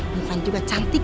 bukan juga cantik